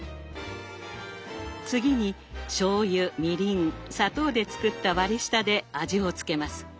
次にしょうゆみりん砂糖で作った割り下で味をつけます。